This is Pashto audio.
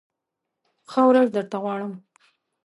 ښه ورځ درته غواړم !